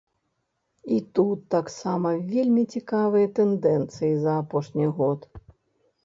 І тут таксама вельмі цікавыя тэндэнцыі за апошні год.